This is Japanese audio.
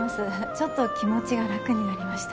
ちょっと気持ちが楽になりました。